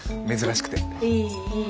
いいいい。